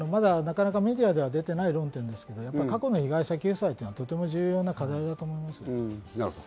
メディアでは出ていない論点ですが、過去の被害者救済はとても重要な課題だと思います。